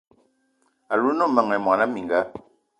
Alou o ne meng mona mininga?